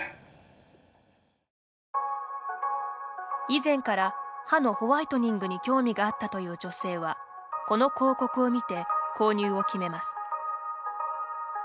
以前から歯のホワイトニングに興味があったという女性はこの広告を見て、購入を決めます。